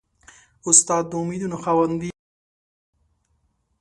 استاد د امیدونو خاوند وي.